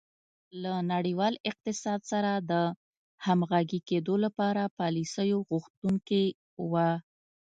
له نړیوال اقتصاد سره د همغږي کېدو لپاره پالیسیو غوښتونکې وه.